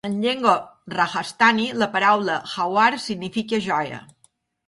En llengua rajasthani, la paraula "jauhar" significa "joia".